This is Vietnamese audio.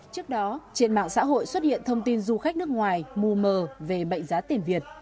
trước đó trên mạng xã hội xuất hiện thông tin du khách nước ngoài mù mờ về bệnh giá tiền việt